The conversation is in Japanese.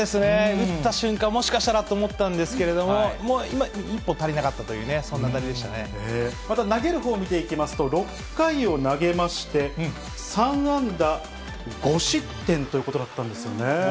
打った瞬間、もしかしたらと思ったんですけど、今一歩足りなかっまた投げるほう見ていきますと、６回を投げまして、３安打５失点ということだったんですよね。